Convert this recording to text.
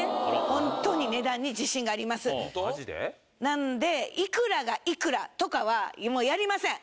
ホントに値段に自信がありますなんでいくらがいくらとかはもうやりません！